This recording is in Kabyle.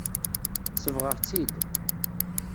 Sebɣeɣ-tt-id.